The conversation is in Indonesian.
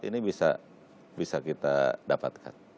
ini bisa kita dapatkan